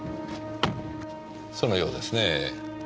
そのようですね。